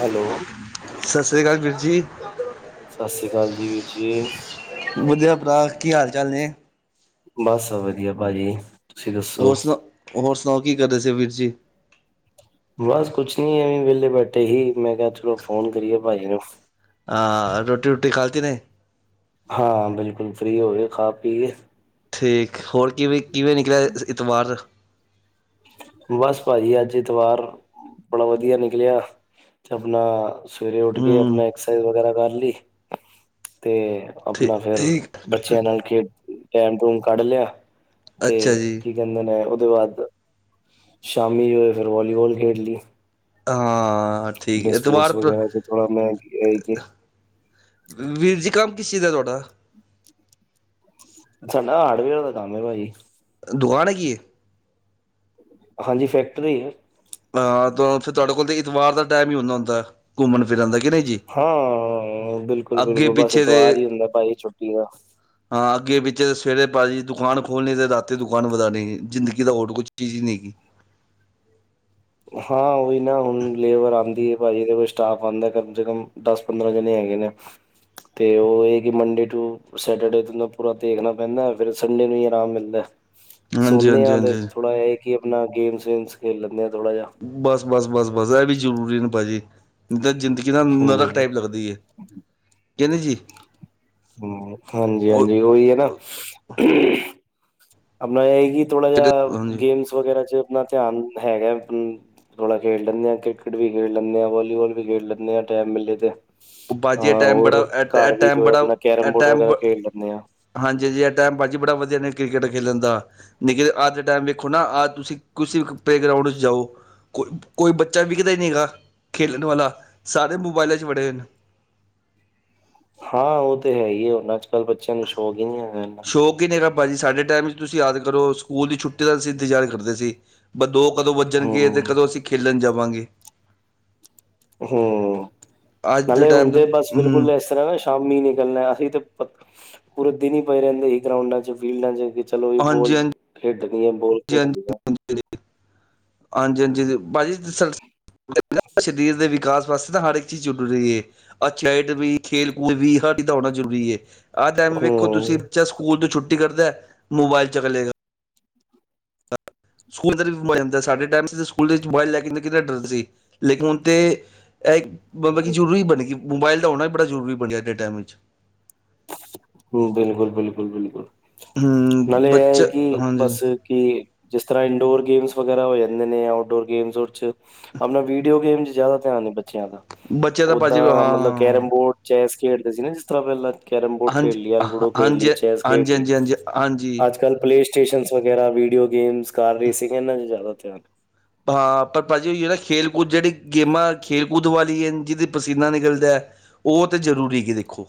Hello ਸਤਿ ਸ੍ਰੀ ਅਕਾਲ ਵੀਰ ਜੀ ਸਤਿ ਸ੍ਰੀ ਅਕਾਲ ਜੀ ਵੀਰ ਜੀ ਵਧੀਆ ਭਰਾ ਕੀ ਹਾਲ ਚਾਲ ਨੇ ਬਸ ਵਧੀਆ ਭਾਜੀ ਤੁਸੀਂ ਦੱਸੋ ਹੋਰ ਸੁਣਾ ਹੋਰ ਸੁਣਾਓ ਕੀ ਕਰਦੇ ਸੀ ਵੀਰ ਜੀ ਬਸ ਕੁਛ ਨੀ ਐਵੇਂ ਵਿਹਲੇ ਬੈਠੇ ਹੀ ਮੈਂ ਕਿਹਾ ਚਲੋ ਫੋਨ ਕਰੀਏ ਭਾਜੀ ਨੂੰ ਹਾਂ ਰੋਟੀ ਰੂਟੀ ਖਲਤੀ ਨੇ ਹਾਂ ਬਿਲਕੁਲ ਫ੍ਰਰੀ ਹੋਵੇ ਖਾ ਪੀਏ ਠੀਕ ਹੋਰ ਕਿਵੇਂ ਕਿਵੇਂ ਨਿਕਲਿਆ ਐਤਵਾਰ ਬਸ ਭਾਜੀ ਅੱਜ ਇਤਵਾਰ ਬੜਾ ਵਧੀਆ ਨਿਕਲਿਆ ਤੇ ਆਪਣਾ ਸਵੇਰੇ ਉੱਠ ਕੇ ਹਮ ਆਪਣਾ ਐਕਸਰਸਾਈਜ਼ ਵਗੈਰਾ ਕਰ ਲਈ ਤੇ ਠੀ ਆਪਣਾ ਫੇਿਰ ਠੀਕ ਬੱਚਿਆਂ ਨਾਲ ਖੇਡ ਟੈਮ ਟੂਮ ਕੱਢ ਲਿਆ ਤੇ ਅੱਛਾ ਜੀ ਜਾਂਦੇ ਨੇ, ਉਹਦੇ ਬਾਅਦ ਸ਼ਾਮੀ ਹੋਏ, ਫਿਰ ਵਾਲੀਬਾਲ ਖੇਡ ਲਈ। ਆ ਸਪੋਰਟਸ, ਵਗੈਰਾ ਚ ਥੋੜਾ ਮਿਹਨਤ ਤੇ, ਹੈ ਏ ਵੀਰ ਜੀ ਕੰਮ, ਕਿਸ ਚੀਜ਼ ਹੈ ਤੁਹਾਡਾ? ਸਾਡਾ ਹਾਰਡਵੇਅਰ ਦਾ ਕੰਮ ਹੈ ਭਾਜੀ। ਦੁਕਾਨ ਹੈ, ਕੀ ਏ? ਹਾਂਜੀ, ਫੈਕਟਰੀ ਏ। ਹਾਂ ਫਿਰ ਤੁਹਾਡੇ ਕੋਲ ਤੇ, ਐਤਵਾਰ ਦਾ ਟਾਈਮ ਹੀ, ਹੁੰਦਾ ਹੁੰਦਾ ਘੁੰਮਣ ਫਿਰਨ ਦਾ ਕਿ ਨਹੀਂ ਜੀ ਹਾਂ ਅੱਗੇ ਬਿਲਕੁਲ-ਬਿਲਕੁਲ ਬਸ ਪਿੱਛੇ ਦੇ ਐਤਵਾਰ, ਹੀ ਹੁੰਦਾ ਭਾਾਈ ਛੁੱਟੀ ਦਾ। ਹਾਂ ਅੱਗੇ ਪਿੱਛੇ ਸਵੇਰੇ ਭਾਜੀ ਜ ਦੁਕਾਨ ਖੋਲਣੀ, ਤੇ ਰਾਤੀ, ਦੁਕਾਨ ਵਧਾਉਣੀ, ਜ਼ਿੰਦਗੀ ਦਾ ਹੋਰ ਕੁਛ ਚੀਜ਼ ਹੀ ਨਹੀਂ, ਹੈਗੀ ਹਾਂ ਉਹੀ ਨਾ, ਹੁਣ ਲੇਬਰ ਆਉਂਦੀ ਹੈ ਭਾ, ਜੀ ਇਹਦੇ ਕੋ ਸਟਾਫ ਆਉਂਦਾ ਹੈ। ਕਮ ਸੇ ਕਮ ਪੰਦਰਾਂ, ਜਣੇ ਹੈਗੇ ਨੇ ਤੇ ਉਹ ਇਹ ਕਿ ਮੰਡੇ, ਟੂ ਸੈਂਟਰਡੇ ਤ ਪੂਰਾ ਦੇਖਣਾ ਪੈਂਦਾ, ਫਿਰ ਸੰਡੇ ਨੂੰ ਹੀ ਆਰਾਮ ਮਿਲਦਾ। ਹਾਂਜੀ ਸੁਣਣੇ ਹਾਂਜੀ ਹਾਂ ਤੇ ਹਾਂਜੀ ਥੋੜ੍ਹਾ ਜਿਹਾ, ਕਿ ਆਪਣਾ ਗੇਮਸ ਸੇ ਮਜ, ਖੇਡ ਲੈਂਦੇ ਹਾਂ ਥੋੜ੍ਹਾ ਜਿਹਾ। ਬਸ ਬਸ ਬਸ ਬਸ, ਇਹ ਵੀ ਜਰੂਰੀ ਨੇ ਭਾਜੀ, ਹੁਣ ਤੇ ਜ਼ਿੰਦਗੀ ਜਿਦਾ ਨਰਕ, ਹੂੰ ਟਾਈਪ ਲੱਗਦੀ ਹੈ ਕਹਿੰਦੇ ਜੀ। ਹੂ ਹਾਂਜੀ ਉਹ ਹਾਂਜੀ ਉਹੀ ਹੈ ਨਾ ਆਪਣਾ ਇਹ ਕਿ, ਥੋੜਾ ਜਿਹਾ ਹਾਂਜੀ ਗੇਮਸ ਵਗੈਰਾ ਚ ਆਪਣਾ ਧਿਆਨ ਹੈਗਾ, ਥੋੜਾ ਖੇਡ ਲੈਂਦੇ ਹਾਂ, ਕ੍ਰਿਕਟ ਵੀ ਖੇਡ ਲੈਂਦੇ ਹਾਂ, ਵਾਲੋੀਬਾਲ ਵੀ ਖੇਡ ਲੈਂਦੇ ਹਾਂ, ਟਾਈਮ ਮਲੇ ਤੇ ਉਹ ਭਾਜੀ ਹਾਂ ਇਹ ਟਾਈਮ ਬੜਾ ਹੋਰ ਇਹ ਘਰ ਵਿੱਚ ਟਾਈਮ ਬੜਾ ਆਪਣਾ ਕੈਰਮ ਇਹ ਬੋਰਡ, ਟਾਈਮ ਵਗੈਰਾ ਖੇਡ ਲੈਂਦੇ ਹਾਂ ਹਾਂਜੀ ਹਾਂਜੀ ਇਹ ਟਾਈਮ, ਭਾਅ ਜੀ ਬੜਾ ਵਧੀਆ ਨੇ, ਕ੍ਰਿਕਟ ਖੇਲਣ ਦਾ। ਦੇਖਿਏ ਅੱਜ ਦਾ ਟਾਈਮ ਵੇਖੋ ਨਾ, ਆ ਤੁਸੀਂ ਪਲੇਗਰਾਊਂਡ ਵਿੱਚ, ਜਾਓ ਕੋਈ ਕੋਈ ਬੱਚਾ ਵਿਖਦਾ ਨਹੀਂ ਹੈਗਾ, ਖੇਡਣ ਵਾਲਾ, ਸਾਰੇ ਮੋਬਾਇਲਾਂ 'ਚ ਵੜੇ ਹੋਏ ਨੇ ਹਾਂ, ਉਹ ਤਾਂ ਹੈ ਹੀ, ਹੁਣ ਅੱਜ ਕੱਲ੍ਹ ਬੱਚਿਆਂ ਨੂੰ ਸ਼ੌਕ, ਹੀ ਨਹੀਂ ਹੈਗਾ? ਸ਼ੌਕ ਹੀ ਨਹੀਂ ਹੈਗਾ ਭਾਅ ਜੀ, ਸਾਡੇ ਟਾਈਮ 'ਚ ਤੁਸੀਂ ਯਾਦ ਕਰੋ, ਸਕੂਲ ਦੀ ਛੁੱਟੀ ਦਾ ਅਸੀਂ ਇੰਤਜ਼ਾਰ ਕਰਦੇ ਸੀ। ਬੰਦੂਕ ਕਦੋਂ ਵੱਜਣਗੇ ਗੇ, ਹੂੰ ਕਦੋਂ ਅਸੀਂ ਖੇਲਣ ਜਾਵਾਂਗੇ। ਹੂ ਅੱਜ ਦੇ ਨਾਲੇ ਟਾਈਮ ਤੇ ਹੁੰਦੇ, ਬਸ ਹੂੰ ਬਿਲਕੁਲ ਇਸ ਕਹਿਦਾ ਸ਼ਾਮੀ ਨਿਕਲਣਾ, ਅਸੀਂ ਤੇ ਪੂਰੇ ਦਿਨ ਹੀ ਪਏ ਰਹਿੰਦੇ ਸੀ। ਗਰਾਉਂਡਾਂ ਚ ਫੀਲਡਾਂ ਚ ਚਲੋ ਵੀ, ਬੋਲ ਖੇਡਣੀ ਹੈ ਬੋਲ ਜੀ ਖੇਡਣੀ ਹਾਂਜੀ ਹਜੀ [inaudible] [unintelligible] ਹਾਂਜੀ--ਹਾਂਜੀ ਭਾਅ ਜੀੀ ਸਰੀਰ ਦੇ, ਵਿਕਾਸ ਵਾਸਤੇ ਤਾਂ, ਹਰ ਇੱਕ ਚੀਜ਼ ਜਰੂਰੀ ਏ ਅੱਛਾ ਏਡ ਵੀ, ਖੇਲ ਕੂਦ ਵੀ ਹਰ ਚੀਜ਼ ਦਾ ਹੋਣਾ, ਜ਼ਰੂਰੀ ਏ ਆਹ ਟਾਈਮ ਵੇਖੋ, ਤੁਸੀਂ ਬੱਚਾ ਸਕੂਲ ਤੋਂ ਛੁੱਟੀ ਕਰਦਾ, ਮੋਬਾਇਲ ਚ ਚਲੇਗਾ। ਸਕੂਲ ਵਿੱਚ ਮੋਬਾਇਲ ਲੈ ਜਾਂਦਾ, ਸਾਡੇ ਟਾਈਮ ਸਕੂਲ ਵਿੱਚ, ਮੋਬਾਈਲ ਲੈ ਕੇ ਕਿੰਨਾ ਡਰ ਸੀ। ਲੇਕਿਨ ਹੁਣ ਤੇ ਮਤਲਬ ਕਿ ਜ਼ਰੂਰੀ ਬਣ ਗਏ, ਮੋਬਾਇਲ ਦਾ ਹੋਣਾ ਵੀ ਬੜਾ ਜ਼ਰੂਰੀ, ਬਣ ਗਿਆ ਅੱਜ ਦੇ ਟਾਈਮ ਵਿੱਚ ਹਮ ਬਿਲਕੁਲ ਬਿਲਕੁਲ ਬਿਲਕੁਲ ਹੂੰ ਨਾਲੇ ਇਹ ਬੱਚਾ ਹੈ ਕਿ ਹਾਂਜੀ ਬਸ [inaudible] ਕਿ ਜਿਸ ਤਰ੍ਹਾਂ ਇੰਡੋਰ ਗੇਮਸ ਵਗੈਰਾ ਹੋ ਜਾਂਦੇ ਨੇ ਆਊਟਡੋਰ ਗੇਮਸ ' [unintelligible] ਆਪਣਾ ਵੀਡੀਓ ਗੇਮ ਚ, ਜਿਆਦਾ ਧਿਆਨ ਏ ਬੱਚਿਆਂ ਦਾ, ਬੱਚੇ ਤਾਂ ਭਾਜੀ ਓਦਾਂ ਮਤਲਬ ਹਾਂ ਕੈਰਮ ਬੋਰਡ, ਚੈਸ ਖੇਡਦੇ ਸੀ। ਨਾ, ਜਿਸ ਤਰ੍ਹਾਂ ਪਹਿਲਾਂ ਕੈਰਮ ਬੋਰਡ ਖੇਡ, ਹਾਂਜੀ ਲਿਆ ਲੂਡੋ, ਹਾਂਜੀ ਖੇਡ ਹਾਂਜੀ ਲਈ ਚੈਸ, ਖੇਡ ਹਾਂਜੀ ਲਈ ਹਾਂਜੀ ਹਾਂਜੀ ਅੱਜ ਕੱਲ ਪਲੇ ਸਟੇਸ਼ਨਸ ਵਗੈਰਾ, ਵੀਡੀਓ ਗੇਮਸ, ਕਾਰ ਰੇਸਿੰਗ, ਇਹਨਾਂ 'ਚ ਜ਼ਿਆਦਾ ਧਿਆਨ ਹਾਂ ਪਰ ਭਾਜੀ, ਹੋਈਏ ਨਾ ਖੇਲ ਕੂਦ, ਜਿਹੜੀ ਗੇਮਾਂ ਖੇਲ ਕੂਦ ਵਾਲੀਆਂ ਹੈ, ਜਿਹਦੇ ਪਸੀਨਾ ਨਿਕਲਦਾ ਉਹ ਤਾਂ, ਜ਼ਰੂਰੀ ਕਿ ਦੇਖੋ?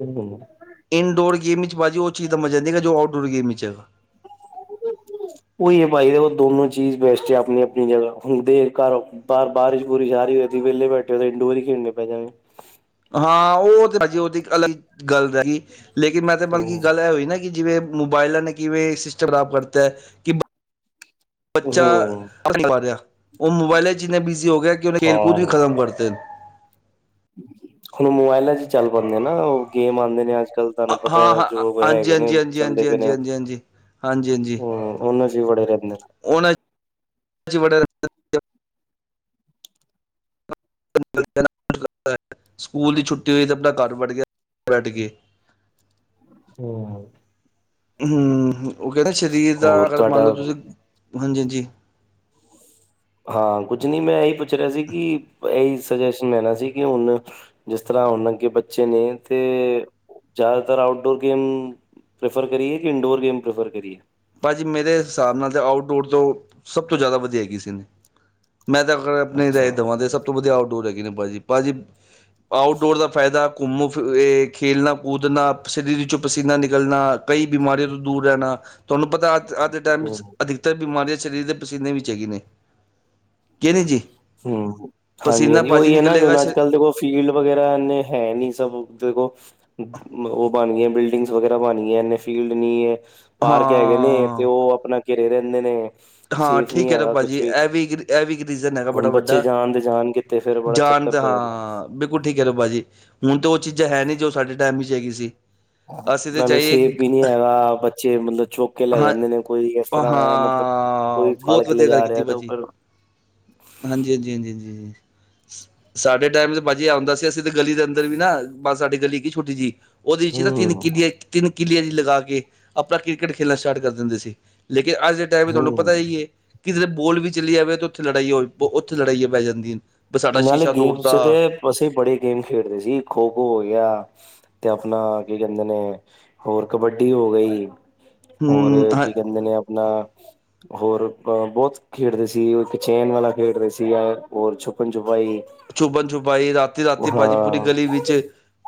ਬਿਲਿਲਕੁਲ [inaudible] [inaudible] ਇਨਡੋਰ ਗੇਮ, ਚ ਭਾਜੀ ਜੀ ਉਹ ਚੀਜ਼, ਦਾ ਮਜਾ ਨਈ ਹੈ, ਜੋ ਆਊਟਡੋਰ ਗੇਮ 'ਚਗਾ ਉਹੀ ਹੈ ਭਾਜੀ, ਉਹ ਦੋਨੋ ਚੀਜ਼ ਬੈਸਟ ਆਪਣੀ ਆਪਣੀ ਜਗ੍ਹਾ ਹੁੰਦੇ ਘਰ ਬਾਹਰ ਬਾਰਿਸ਼ ਬੁਰਿਸ਼ ਆ ਰਹੀ ਹੋ ਸੀ ਵਿਹਲੇ ਬੈਠੇ ਹੋ ਤਾਂ ਇੰਡੋਰ ਹੀ ਖੇਡਣੇ ਪੈ ਜਾਣਗੇ। ਹਾਂ ਉਹ ਤੇ ਹਾਜੀ ਉਹ ਤੇ ਇੱਕ ਅਲੱਗ ਗੱਲ ਰਹਿ ਲੇਕਿਨ ਮੈਂ ਤਾਂ ਮਤਲਬ ਕੀ ਹੂੰ ਗੱਲ ਇਹ ਹੋਈ ਨਾ। ਕਿ ਜਿਵੇਂ ਮੋਬਾਇਲਾਂ ਨੇ ਕਿਵੇਂ ਸਿਸਟਮ ਖਰਾਬ ਕਰਤਾ ਕਿ ਬੱਚਾ ਹੂੰ [inaudible] ਉਹ ਮੋਬਾਇਲ ਚ ਇੰਨੇ ਬਿਜੀ ਹੋ ਗਏ। ਖੇਲ ਕੂਦ ਵੀ ਹਾਂ ਖਤਮ ਕਰਦੇ ਹੁਣ ਮੋਬਾਇਲਾਂ ਚ ਚੱਲ ਪਾਉਂਦੇ ਆ ਨਾ ਉਹ ਗੇਮ ਆਉਂਦੇ ਨੇ ਅੱਜ ਕੱਲ। ਤੁਹਾਨੂੰ ਪਤਾ ਹਾਂ ਹੈ ਹਾਂ ਜੋਬ ਹਾਂਜੀ ਹੈਗੇ ਨੇ ਹਾਂਜੀ ਹਾਂਜੀ ਚੱਲਦੇ ਹਾਂਜੀ ਪਏ ਨੇ ਹਾਂਜੀ ਹਮ ਹਾਂਜੀ ਹਾਂਜੀ ਹਾਂਜੀ ਹਾਂਜੀ ਉਹਨਾਂ ਚ ਵੜੇ ਰਹਿੰਦੇ। ਵੜੇ ਸਕੂਲ ਦੀ ਛੁੱਟੀ ਹੋਈ ਤੇ ਆਪਣਾ ਘਰ ਬੈਠ ਗਿਆ ਬੈਠ ਕੇ। ਹਮ ਹਮ ਉਹ ਕਹਿੰਦੇ ਸਰੀਰ ਦਾ ਹੋਰ ਅਗਰ ਮੰਨ ਤੁਹਾਡਾ ਲਓ ਤੁਸੀਂ ਹਾਂਜੀ ਹਾਂਜੀ। ਹਾਂ ਕੁੱਝ ਨਹੀਂ ਮੈਂ ਇਹੀ ਪੁੱਛ ਰਿਹਾ ਸੀ ਕਿ ਇਹੀ ਸਜੈਸ਼ਨ ਲੈਣਾ ਸੀ ਕਿ ਹੁਣ। ਜਿਸ ਤਰ੍ਹਾਂ ਹੁਣ ਅੱਗੇ ਬੱਚੇ ਨੇ ਤੇ। ਜ਼ਿਆਦਾਤਰ ਆਊਟਡੋਰ ਗੇਮ ਪ੍ਰੈਫਰ ਕਰੀਏ ਕਿ ਇੰਡੋਰ ਗੇਮ ਪ੍ਰੈਫਰ ਕਰੀਏ। ਭਾਜੀ ਮੇਰੇ ਹਿਸਾਬ ਨਾਲ ਤੇ ਆਊਟਡੋਰ ਤੋਂ ਸਭ ਤੋਂ ਜ਼ਿਆਦਾ ਵਧੀਆ ਹੈਗੀ ਸੀ ਮੈਂ ਤਾਂ ਅਗਰ ਆਪਣੇ ਰਾ ਅੱਛਾ ਦੇਵਾਂ ਤੇ ਸਭ ਤੋਂ ਵਧੀਆ ਆਊਟਡੋਰ ਹੈਗੇ ਨੇ ਭਾਜੀੀ ਭਾਜੀੀ ਆਊਟਡੋਰ ਦਾ ਫਾਇਦਾ ਘੁੰਮੋ ਫਿਰ ਇਹ ਖੇਡਣਾ ਕੂਦਣਾ ਸਿਰੀ ਵਿੱਚੋਂ ਪਸੀਨਾ ਨਿਕਲਣਾ। ਕਈ ਬਿਮਾਰੀਆਂ ਤੋਂ ਦੂਰ ਰਹਿਣਾ ਤੁਹਾਨੂੰ ਪਤਾ ਅੱਜ ਅੱਜ ਦੇ ਟਾਈਮ ਵਿੱਚ ਅਧਿਕ। ਤਰ ਬਿਮਾਰੀਆਂ ਸਰੀਰ ਦੇ ਪਸੀਨੇ ਵਿੱਚ ਚ ਹੈਗੀ ਨੇ ਕੀ ਨਹੀਂ ਜੀ। ਹਮ ਹਾਂਜੀ, ਪਸੀਨਾ ਹਾਂਜੀ ਭਾਜੀ ਉਹੀ ਹੈ ਨਾ, ਨਿਕਲੇਗਾ ਹੁਣ ਸ਼ ਅੱਜ ਕੱਲ੍ਹ ਦੇਖੋ। ਫੀਲਡ ਵਗੈਰਾ ਇਹਨੇ ਹੈ ਨੀ ਸਭ ਦੇਖੋ। ਉਹ ਬਣ ਗਈਆਂ ਬਿਲਡਿੰਗਸ ਵਗੈਰਾ ਬਣ ਗਈਆਂ ਨੇ ਫੀਲਡ ਨਹੀ ਹੈ। ਪਾਰਕ ਹੈਗੇ ਨੇ ਤੇ ਹਾਂ ਉਹ ਆਪਣਾ ਘਿਰੇ ਰਹਿੰਦੇ ਨੇ। ਹਾਂ ਸੇਫ ਨੀ ਠੀਕ ਹੈ ਤਾਂ ਹੈਗਾ ਭਾਈ ਜੀ ਕੁਛ ਇਹ ਵੀ ਇਹ ਵੀ ਇੱਕ ਰੀਜ਼ਨ ਹੈਗਾ ਬੜਾ ਹੁਣ ਬੱਚੇ ਵੱਡਾ ਜਾਣ ਤੇ ਜਾਣ ਕਿਤੇ ਫੇਰ ਬੜਾ ਜਾਣ ਚੱਕਰ ਦਾ ਪੈ ਜਾਂਦਾ। ਹਾਂ। ਬਿਲਕੁਲ ਠੀਕ ਹੈ ਨਾ ਭਾਜੀ ਹੁਣ ਤਾਂ ਉਹ ਚੀਜ਼ਾਂ ਹੈ ਨੀ ਜੋ ਸਾਡੇ ਟਾਈਮ ਵਿੱਚ ਹੈਗੀ ਸੀ ਅਸੀਂ। ਤਾਂ ਨਾਲੇ ਜਾਈਏ ਸੇਫ ਵੀ ਨੀ ਹੈਗਾ ਬੱਚੇ ਮਤਲਬ ਚੁੱਕ ਕੇ ਲੈ ਹਾਂ ਜਾਂਦੇ ਨੇ ਕੋਈ ਇਸ ਤਰ੍ਹਾਂ ਹੈ ਮਤਲਬ। ਹਾਂ ਕੋਈ ਫੜ ਬਹੁਤ ਕੇ ਲੈ ਵਧੀਆ ਗੱਲ ਜਾ ਕੀਤੀ ਰਿਹਾ ਤੇ ਉਹ ਭਾਜੀ ਫਿਰ ਹਾਂਜੀ ਹਾਂਜੀ ਹਾਂਜੀ ਹਾਂਜੀ। ਸਾਡੇ ਟਾਈਮ ਤੇ ਭਾਜੀ ਆਉਂਦਾ ਸੀ ਅਸੀਂ ਤੇ ਗਲੀ ਦੇ ਅੰਦਰ ਵੀ ਨਾ ਬਸ ਸਾਡੀ ਗਲੀ ਕੀ ਛੁੱਟੀ ਜਿਹੀ। ਉਹਦੇ ਵਿੱਚ ਨਾ ਕਿਨ ਕਿੰਨੀਆਂ। ਤਿੰਨ ਕਿੰਨੀਆਂ ਜਹੀਆਂ ਲਗਾ ਕੇ ਆਪਣਾ ਕ੍ਰਿਕਟ ਖੇਡਣਾ ਸਟਾਰਟ ਕਰ ਦਿੰਦੇ ਸੀ ਲੇਕਿਨ ਅੱਜ ਦੇ ਟਾਈਮ ਤੁਹਾਨੂੰ ਪਤਾ ਹੂੰ-ਹੂੰ। ਹੀ ਹੈ ਕਿ ਜ ਬੋਲ ਵੀ ਚਲੀ ਜਾਵੇ ਉੱਥੇ ਲੜਾਈ ਹੋ ਉੱਥੇ ਲੜਾਈਆਂ ਪੈ ਜਾਂਦੀਆਂ। ਬ ਸਾਡਾ ਨਾਲੇ ਸ਼ੀਸ਼ਾ ਗੇਮਜ਼ ਤੋੜਤਾ ਤੇ ਅਸੀਂ ਬੜੇ ਗੇਮ ਖੇਡਦੇ ਸੀ ਖੋ ਖੋ ਹੋ ਗਿਆ। ਤੇ ਆਪਣਾ ਕੀ ਕਹਿੰਦੇ ਨੇ ਹੋਰ ਕਬੱਡੀ ਹੋ ਗਈ। ਹੋਰ ਹਮ ਹਾਂ ਕੀ ਕਹਿੰਦੇ ਨੇ ਆਪਣਾ। ਹੋਰ ਅ ਬਹੁਤ ਖੇਡਦੇ ਸੀ ਇੱਕ ਚੈਨ ਵਾਲਾ ਖੇਡਦੇ ਸੀ ਜਾਂ ਹੋਰ ਛੁੱਪ ਛੁਪਣ ਛੁਪਾਈ। ਛੁਪਣ ਛੁਪਾਈ ਰਾਤੀ ਰਾਤੀ ਬਾਜੀ ਹਾਂ। ਪੂਰੀ ਹੂੰ। ਗਲੀ ਵਿੱਚ।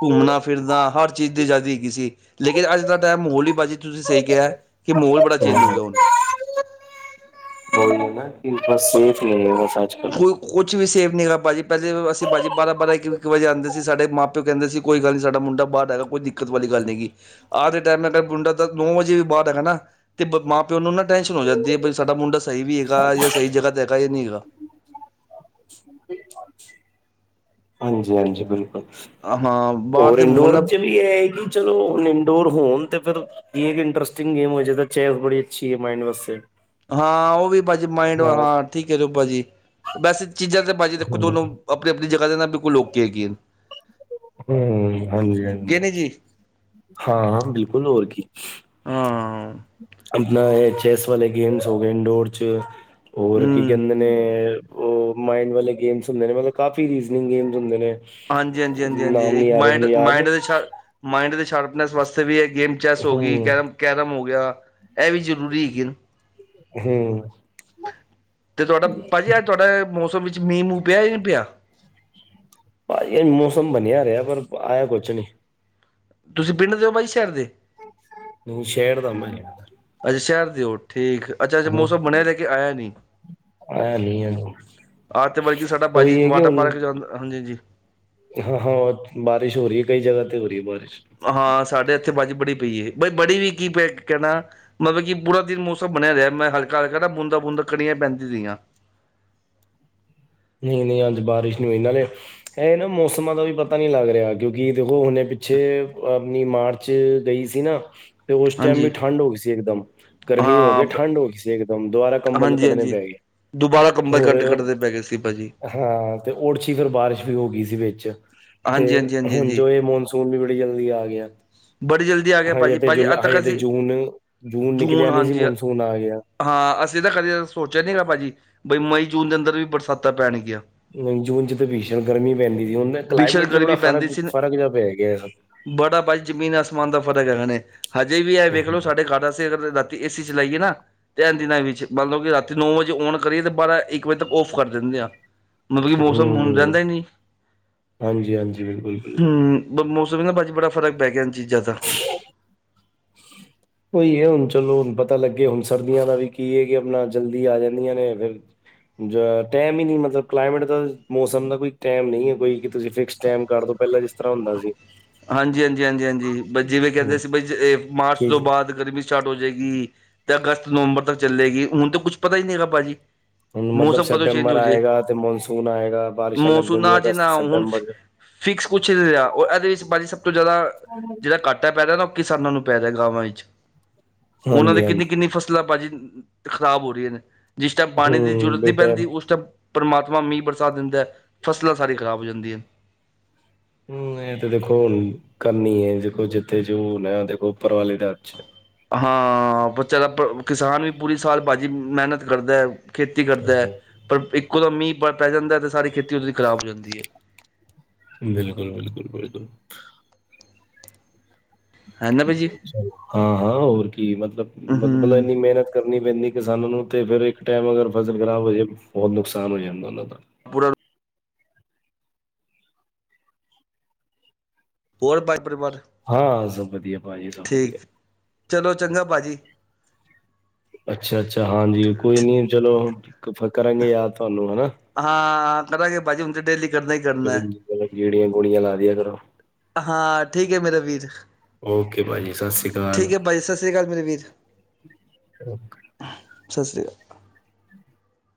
ਘੁੰਮਣਾ ਫਿਰਨਾ ਹਰ ਚੀਜ਼ ਦੀ ਆਜਾਦੀ ਹੈਗੀ ਸੀ। ਲੇਕਿਨ ਅੱਜ ਦਾ ਟਾਈਮ ਮਾਹੌਲ ਹੀ ਭਾਜ਼ੀ ਤੁਸੀਂ ਸਹੀ ਕਿਹਾ ਕਿ ਮਾਹੌਲ ਬੜਾ ਚੇਂਜ ਹੋ ਗਿਆ ਹੁਣ। ਬੋਲਦੇ ਨਾ ਇਨਥੜ ਸੇਫ ਲ [inaudible] ਬਸ ਆਜ ਕੱਲ ਕੋਈ ਕੁਛ ਵੀ ਸੇਫ ਨਹੀਂ ਹੈਗਾ ਭਾਜੀ ਪਹਿਲੇ ਅਸੀਂ ਭਾਜੀ ਬਾਰਾਂ ਬਾਰਾਂ ਇੱਕ ਇੱਕ ਵਜੇ ਆਉਂਦੇ ਸੀ ਸਾਡੇ ਮਾਪ। ਕਹਿੰਦੇ ਸੀ ਕੋਈ ਗੱਲ ਨਹੀਂ ਸਾਡਾ ਮੁੰਡਾ ਬਾਹਰ ਹੈਗਾ ਕੋਈ ਦਿੱਕਤ ਵਾਲੀ ਗੱਲ ਨਹੀ ਹੈਗੀ। ਆਦੇ ਟਾਈਮ ਅਰ ਗੁੰਡਾ ਤਾਂ ਨੌ ਵਜੇ ਵੀ ਬਾਹਰ ਹੈ ਹਨਾ। ਤੇ ਮਾਂ ਪਿਓ ਨੂੰ ਨਾ ਟੈਸ਼ਨ ਹੋ ਜਾਂਦੀ ਹੈ ਬ ਸਾਡਾ ਮੁੰਡਾ ਸਹੀ ਵੀ ਹੈਗਾ ਜਾਂ ਸਹੀ ਜਗ੍ਹਾ ਤੇ ਹੈਗਾ ਜਾਂ ਨਹੀਂ ਹੈਗਾ। ਹਾਂਜੀ, ਹਾਂਜੀ, ਹਾਂ ਜੀ ਬਿਲਕੁਲ ਹਾਂ ਬਾਹਰ ਹੋਰ ਦੇ ਮਾਹੌਲ ਇੰਡੋਰ ਨਾਲ ਚ। ਵੀ ਇਹ ਹੈ ਕਿ ਚਲੋ ਇੰਡੋਰ ਹੋਣ ਤੇ ਫਿਰ। ਇਹ ਇੱਕ ਇੰਟਰਰੇਸਟਿੰਗ ਗੇਮ ਹੋ ਜੇ ਚੈਸ ਬੜੀ ਅੱਛੀ ਹੈ ਮਾਈਡ ਵਾਸਤੇ। ਹਾਂ, ਉਹ ਵੀ ਭਾਜੀ ਮਾਈਂਡ ਹਾਂ ਠੀਕ ਐ ਭਾਜੀ ਵੈਸੇ ਚੀਜ਼ਾਂ ਤੇ ਭਾਜੀ ਦੇਖੋ ਹੂੰ ਦੋਨੋ ਆਪਣੀ ਆਪਣੀ ਜਗ੍ਹਾ ਦੇ ਨਾਲ ਬਿਲਕੁਲ ਓਕੇ ਐ ਗੇਮ। ਹੂੰ, ਹਾਂਜੀ ਹਾਂਜੀ। ਕਿ ਨਹੀਂ ਜੀ ਹਾਂ ਬਿਲਕੁਲ ਹੋਰ ਕੀ। ਹਾਂ ਆਪਣਾ ਇਹ ਚੈਸ ਵਾਲੇ ਗੇਮਸ ਹੋ ਗਏ ਇੰਡੋਰ ਚ ਹੋਰ ਕੀ ਹੂੰ ਕਹਿੰਦੇ। ਨਹੀਂ ਉਹ ਮਾਇੰਡ ਵਾਲੇ ਗੇਮਸ ਹੁੰਦੇ ਨੇ ਮਤਲਬ ਕਾਫੀ ਰੀਜਨਿੰਗ ਗੇਮਸ ਹੁੰਦੇ ਨੇ। ਹਾਂਜੀ ਹਾਂਜੀ ਹਾਂਜੀ ਹਾਂਜੀ ਨਾਮ ਨੀ ਇੱਕ ਆ ਰਹੇ ਮਡ ਮੈਨੂੰ ਯਾਦ ਮਾਇਂਡ ਦੇ ਮਾਇਂਡ ਦੇ ਸ਼ਾਰਪਨੈਸ ਵਾਸਤੇ ਵੀ ਇਕ ਗੇਮ ਚੈਸ ਹੋ ਹੂੰ ਗਈ ਕਹਿ। ਕੈਰਮ ਹੋ ਗਿਆ ਇਹ ਵੀ ਜ਼ਰੂਰੀ ਹੈਗੀ। ਹੂੰ, ਤੇ ਤੁਹਾਡਾ ਭਾਜੀ ਅੱਜ ਤੁਹਾਡਾ ਮੌਸਮ ਵਿੱਚ ਮੀਂਹ ਮੂੰਹ ਪਿਆ ਨਹੀਂ ਪਿਆ। ਅੱਜਕਲ ਮੌਸਮ ਬਣਿਆ ਰਿਹਾ ਪਰ ਆਇਆ ਕੁਛ ਨਹੀਂ। ਤੁਸੀਂ ਪਿੰਡ ਦੇ ਹੋ ਬਾਈ ਸ਼ਹਿਰ ਦੇ। ਸ਼ਹਿਰ ਦਾ ਮੈਂ। ਅੱਛਾ, ਸ਼ਹਿਰ ਦੇ ਓ ਠੀਕ ਅੱਛਾ ਅੱਛਾ ਹੂੰ ਮੌਸਮ ਬਣਿਆ ਲੇਕਿਨ ਆਇਆ ਨੀ। ਆਇਆ ਨੀ ਆਹ, ਤੇ ਬਲਕਿ ਸਾਡਾ ਭਾਜੀ ਉਹੀ ਹੈ ਕਿ ਵਾਟਰ ਹੁਣ ਪਾਰਕ ਜਾਂਦਾ ਹਾਂਜੀ ਹਾਂਜੀ। ਹਾਂ ਹਾਂ, ਬਾਰਿਸ਼ ਹੋ ਰਹੀ ਆ ਕਈ ਜਗ੍ਹਾ ਤੇ ਹੋ ਰਹੀ ਆ ਬਾਰਿਸ਼। ਹਾਂ, ਸਾਡੇ ਇੱਥੇ ਵੱਜ ਬੜੀ ਪਈ ਐ ਬਈ ਬੜੀ ਵੀ ਕੀ ਪ ਕਹਿਣਾ। ਮਤਲਬ ਕਿ ਪੂਰਾ ਦਿਨ ਮੌਸਮ ਬਣਿਆ ਰਿਹਾ ਮੈਂ ਹਲਕਾ ਹਲਕਾ ਨਾ ਬੂੰਦਾ ਬੂੰਦਾ ਕੜੀਆਂ ਪੈਂਦੀ ਰਹੀਆਂ। ਨਹੀਂ ਨਹੀਂ, ਅੱਜ ਬਾਰਿਸ਼ ਨੀ ਹੋਈ ਨਾਲੇ। ਇਹ ਨਾ ਮੌਸਮਾਂ ਦਾ ਵੀ ਪਤਾ ਨਹੀਂ ਲੱਗ ਰਿਹਾ ਕਿਉਂਕਿ ਦੇਖੋ ਹੁਣੇ ਪਿੱਛੇ ਆਪਣੀ ਮਾਰਚ ਚ ਗਈ ਸੀ ਨਾ। ਤੇ ਉਸ ਟਾਈਮ ਵੀ ਹਾਂਜੀ ਠੰਢ ਹੋ ਗਈ ਸੀ ਇਕਦਮ ਗਰਮੀ ਹੋ ਕੇ ਹਾਂ ਠੰਢ ਹੋ ਗਈ ਸੀ ਇਕਦਮ ਦੁਬਾਰਾ ਕੰਬਲ ਹਾਂਜੀ ਕੱਢਣੇ ਹਾਂਜੀ ਪੈ ਗਏ। ਦੁਬਾਰਾ ਕੰਬਲ ਹੋਰ ਕੱਢ ਕੱਢਦੇ ਪੈ ਗਏ ਸੀ ਭਾਜੀ। ਹਾਂ ਤੇ ਉਛੀ ਫਿਰ ਬਾਰਿਸ਼ ਵੀ ਹੋ ਗਈ ਸੀ ਵਿੱਚ ਤੇ ਹਾਂਜੀ ਹਾਂਜੀ ਹਾਂਜੀ ਹੁਣ ਹਾਂਜੀ ਜੋ ਇਹ ਮੋਨ, ਸੂਨ ਵੀ ਬੜੀ ਜਲਦੀ ਆ ਗਿਆ। ਬੜੀ ਜਲਦੀ ਆ ਗਿਆ ਹਜੇ ਭਾਜੀ ਤੇ ਭਾਜੀ ਜੁਲਾ ਅੱਜ ਤੱਕ ਹਜੇ ਤੇ ਅਸੀਂ ਜੂਨ ਜੂਨ ਨਿਕਲਿਆ ਨੀ ਸੀ ਮੋਨਸੂਨ ਆ ਗਿਆ। ਹਾਂ, ਅਸੀਂ ਤਾਂ ਕਦੇ ਸੋਚਿਆ ਨੀ ਗਾ ਭਾਜੀ ਬਈ ਮਈ ਜੂਨ ਦੇ ਅੰਦਰ ਵੀ ਬਰਸਾਤਾਂ ਪੈਣਗੀਆਂ। ਨਹੀਂ, ਜੂਨ ਚ ਤਾਂ ਭੀਸ਼ਣ ਗਰਮੀ ਪੈਂਦੀ ਸੀ ਹੁਣ ਭੀਸ਼ਣ ਕਲਾਈਮੇਟ ਚ ਬੜਾ ਗਰਮੀ ਪੈਂਦੀ ਫਰਕ ਸੀ ਫ਼ਰਕ ਜਿਹਾ ਪੈ ਗਿਆ। ਬੜਾ ਭਾਜੀ ਜ਼ਮੀਨ ਆਸਮਾਨ ਦਾ ਫਰਕ ਹੈਗਾਣੇ ਹਜੇ ਵੀ ਇਹ ਵੇਖ ਲੋ ਸਾਡੇ [unintelligible] ਅਗਰ ਤੇ ਏਸੀ ਚਲਾਈਏ ਨਾ ਤੇ ਏਨ ਦਿਨਾ ਵਿੱਚ ਮਤਲਬ ਕਿ ਰਾਤੀ ਨੌ ਵਜੇ ਔਨ ਕਰੀਏ ਤੇ ਬਾ। ਰਾਂ ਇੱਕ ਵਜੇ ਤੱਕ ਔਫ ਕਰ ਦਿੰਦੇ ਆ ਮਤਲਬ ਕਿ ਮੌਸਮ ਹੁਣ ਹੂੰ, ਰਹਿੰਦਾ ਹੀ ਨੀ ਹਾਂਜੀ-ਹਾਂਜੀ, ਬਿਲਕੁਲ-ਬਿਲਕੁਲ। ਹੂੰ, ਬ ਮੌਸਮ ਨਾ ਬ ਬੜਾ ਫ਼ਰਕ ਪੈ ਗਿਆ ਇਨ ਚੀਜ਼ਾਂ ਦਾ। ਉਹੀ ਐ ਹੁਣ ਚਲੋ ਹੁਣ ਪਤਾ ਲੱਗੇ ਹੁਣ ਸਰਦੀਆਂ ਦਾ ਵੀ ਕੀ ਹੈ ਕਿ ਆਪਣਾ ਜਲਦੀ ਆ ਜਾਂਦੀਆਂ ਨੇ ਫਿਰ। ਟਾਈਮ ਹੀ ਨਹੀਂ ਮਤਲਬ ਕਲਾਈਮੇਟ ਦਾ ਮੌਸਮ ਦਾ ਕੋਈ ਟਾਈਮ ਨਹੀਂ ਹੈ ਕੋਈ ਕਿ ਤੁਸੀਂ ਫਿਕਸ ਟਾਈਮ ਕਰ ਦਿਉ ਪਹਿਲਾ, ਤਰ੍ਹਾਂ ਹੁੰਦਾ ਸੀ। ਹਾਂਜੀ ਹਾਂਜੀ, ਹਾਂਜੀ ਹਾਂਜੀ, ਬਸ ਜਿਵੇਂ ਕਹਿੰਦੇ ਹੂੰ, ਸੀ ਬ ਮਾਰਚ ਠੀਕ ਤੋਂ ਹੈ। ਬਾਅਦ ਗਰਮੀ ਸਟਾਰਟ ਹੋ ਜਾਏਗੀ ਤੇ ਅਗਸਤ ਨਵੰਬਰ ਤੱਕ ਚੱਲੇਗੀ ਹੁਣ ਤਾਂ ਕੁੱਛ ਪਤਾ ਹੀ ਨਹੀਂ ਹੈਗਾ ਭਾਜੀ। ਹੁਣ ਮਤਲਬ ਮੌਸਮ ਕਦੋਂ ਚੇਂਜ ਸੈਪਟੰਬਰ ਹੋ ਜੇ ਆਏਗਾ ਤੇ ਮੌਨਸੂਨ ਆਏਗਾ ਬਾਰਿਸ਼ਾਂ ਲੱਗਣ ਮੌਸੂਨਾ ਦੀਆਂ ਜੇ ਅਗਸਤ ਨਾ ਹੁਣ ਸੈਪਟੰਬਰ ਚ। ਫਿਕਸ ਕੁਛ ਰਿਹਾ ਇਹਦੇ ਵਿੱਚ ਬਾ ਸਭ ਤੋਂ ਜ਼ਿਆਦਾ ਜਿਹੜਾ ਘੱਟ ਪੈ ਰਿਹਾ ਨਾ ਉਹ ਕਿਸਾਨਾਂ ਨੂੰ ਪੈ ਰਿਹਾ ਗਵਾਂ ਵਿੱਚ ਉਹਨਾਂ ਦੀ ਕਿੰਨੀ ਹਾਂਜੀ-ਹਾਂਜੀ, ਕਿੰਨੀ ਫਸਲ ਮਤਲਬ ਭਾਜੀ ਖ਼ਰਾਬ ਹੋ ਰਹੀ ਨੇ ਜਿਸ ਟਾਈਮ ਪਾਣੀ ਦੀ ਹੂੰ ਜ਼ਰੂਰਤ ਬਈ ਨਹੀਂ ਪੈਂਦੀ ਉਸ ਟਾਈਮ ਪਰਮਾਤਮਾ ਮੀਂਹ ਬਰਸਾ ਦਿੰਦਾ ਫਸਲਾਂ ਸਾਰੀਆਂ ਖਰਾਬ ਹੋ ਜਾਂਦੀਆਂ ਹੂੰ, ਇਹ ਤੇ ਦੇਖੋ ਹੁਣ ਕਰਨੀ ਹੈ ਦੇਖੋ ਜਿੱਥੇ ਜੋ ਹੁਣ ਦੇਖੋ ਉੱਪਰ ਵਾਲੇ ਦਾ, ਹਾਂ, ਬੱਚਿਆਂ ਕਿਸਾਨ ਵੀ ਪੂਰੀ ਸਾਲ ਭਾਜੀ ਮਿਹਨਤ ਕਰਦਾ। ਖੇਤੀ ਕਰਦਾ ਪਰ ਇੱਕੋ ਦਮ ਮੀਂਹ ਪੈ ਜਾਂਦਾ ਤੇ ਸਾਰੀ ਖੇਤੀ ਉਦੋਂ ਦੀ ਖ਼ਰਾਬ ਹੋ ਜਾਂਦੀ ਐ। ਬਿਲਕਲ ਬਿਲਕੁਲ ਬਿਲਕੁਲ। ਹੈ ਨਾ ਭਾਜੀ ਹਾਂ ਹਾਂ, ਹੋਰ ਕੀ ਮਤਲਬਤਲਬ ਮਤਲਬ ਹੂੰ ਇੰਨੀ ਮਿਹਨਤ ਕਰਨੀ ਪੈਂਦੀ ਕਿਸਾਨਾਂ ਨੂੰ ਤੇ ਫੇਰ ਇੱਕ ਟਾਈਮ ਅਗਰ ਫਸਲ ਖ਼ਰਾਬ ਹੋ ਜਾਵੇ ਬਹੁਤ ਨੁਕਸਾਨ ਹੋ ਜਾਂਦਾ ਉਹਨਾਂ ਦਾ ਪੂਰਾ ਹੋਰ ਭਾਈ ਪਰਿਵਾਰ ਹਾਂ, ਸਭ ਵਧੀਆ ਭਾਜੀ ਸਭ ਵਧੀਆ। ਠੀਕ ਚਲੋ ਚੰਗਾ ਭਾਜੀ। ਅੱਛਾ ਅੱਛਾ, ਹਾਂਜੀ ਕੋਈ ਨੀ ਚਲੋ ਕਰਾਂਗੇ ਯਾਦ ਤੁਹਾਨੂੰ ਹਨਾ ਹਾਂ, ਮਤਲਬ ਕੇ ਬਾਜੀ ਹੁਣ ਤੇ ਡੇਲੀ ਕਰਨਾ ਹੀ ਕਰਨਾ [unintelligible] ਹੈ ਮਤਲਬ ਗੇੜੀਆਂ ਗੋੜੀਆਂ ਲਾ ਦੀਆਂ ਕਰੋ। ਹਾਂ, ਠੀਕ ਏ ਮੇਰੇ ਵੀਰ। ਓਕੇ ਭਾਜੀ ਸਾਸੀ ਠੀਕ ਏ ਪਾਜੀ, ਸਤਿ ਸ਼੍ਰੀ ਕਾਲ ਮੇਰੇ ਵੀਰ। ਸਸਰੀ ਕਾਲ।